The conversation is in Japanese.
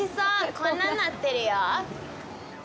こんなんなってるよ。